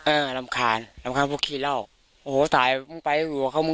เออรำคาญรำคาญพวกขี้เหล้าโอ้โหสายมึงไปอยู่กับเขา